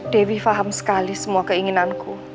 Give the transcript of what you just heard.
dewi faham sekali semua keinginanku